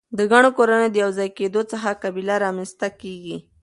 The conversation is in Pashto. د ګڼو کورنیو د یو ځای کیدو څخه قبیله رامنځ ته کیږي.